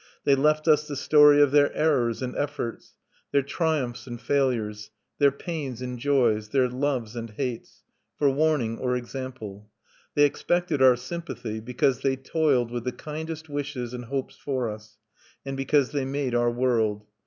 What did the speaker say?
They left us the story of their errors and efforts, their triumphs and failures, their pains and joys, their loves and hates, for warning or example. They expected our sympathy, because they toiled with the kindest wishes and hopes for us, and because they made our world.